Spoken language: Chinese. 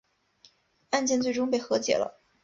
案件最终被和解了。